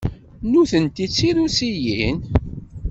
Nekkenti d Tirusiyin.